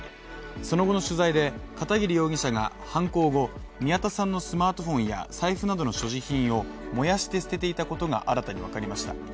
その後の取材で片桐容疑者が犯行後、宮田さんのスマートフォンや財布などの所持品を燃やして捨てていたことが新たにわかりました。